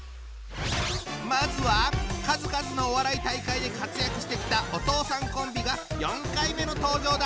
まずは数々のお笑い大会で活躍してきたお父さんコンビが４回目の登場だ。